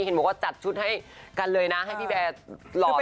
เห็นบอกว่าจัดชุดให้กันเลยนะให้พี่แบร์หล่อ